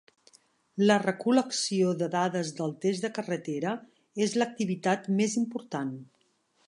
La recol·lecció de dades del test de carretera és l'activitat més important.